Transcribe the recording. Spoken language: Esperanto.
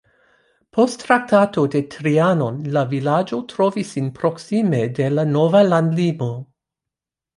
Post Traktato de Trianon la vilaĝo trovis sin proksime de la nova landlimo.